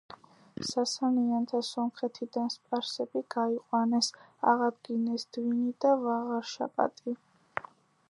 სასანიანთა სომხეთიდან სპარსები გაიყვანეს, აღადგინეს დვინი და ვაღარშაპატი.